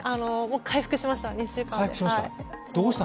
回復しました、２週間で。